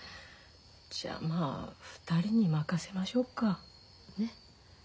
じゃまあ二人に任せましょうか。ね。